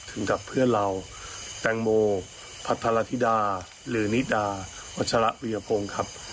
กับเพื่อนเราแตงโมพัทรธิดาหรือนิดาวัชระวิยพงศ์ครับ